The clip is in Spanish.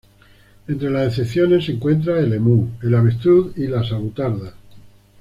Entre las excepciones se encuentran el emú, el avestruz y las avutardas.